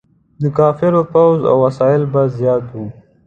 د کفارو فوځ او وسایل به زیات وو.